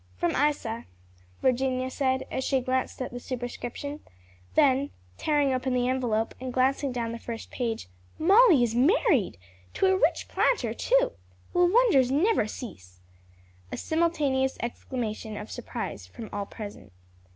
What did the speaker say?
"From Isa," Virginia said as she glanced at the superscription; then tearing open the envelope, and glancing down the first page, "Molly is married! to a rich planter, too! Will wonders never cease!" A simultaneous exclamation of surprise from all present.